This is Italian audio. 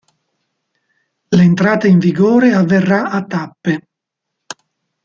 L’entrata in vigore avverrà a tappe.